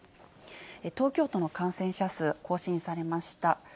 東京都の感染者数、更新されました。